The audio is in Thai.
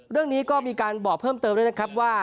เรื่องนี้ก็มีการบอกเพิ่มเติมด้วยนะครับว่า